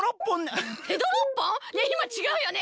いまちがうよね？